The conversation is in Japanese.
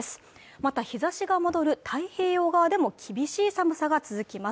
また日ざしが戻る太平洋側でも厳しい寒さが続きます